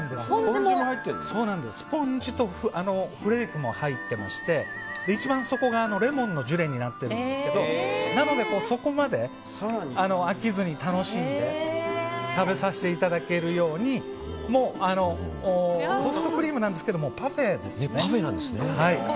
スポンジとフレークも入っていまして一番底が、レモンのジュレになってるんですがなので、底まで飽きずに楽しんで食べさせていただけるようにソフトクリームなんですけどもうパフェですね。